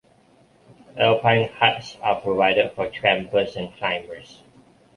Alpine huts are provided for trampers and climbers.